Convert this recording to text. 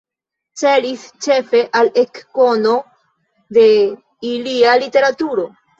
Celis ĉefe al ekkono de ilia literaturo.